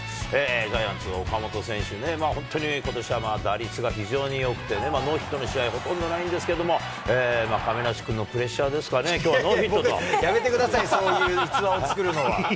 ジャイアンツ、岡本選手ね、本当にことしは打率が非常によくてね、ノーヒットの試合、ほとんどないんですけれども、亀梨君のプレッシャーですかね、きょうはやめてください、そういう逸話を作るのは。